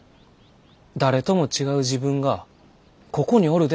「誰とも違う自分がここにおるで！」